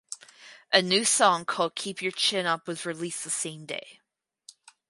A new song called "Keep Your Chin Up" was released the same day.